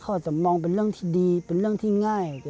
เขาอาจจะมองเป็นเรื่องที่ดีเป็นเรื่องที่ง่าย